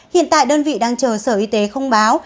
hiện tại đơn vị đang chờ sở y tế không báo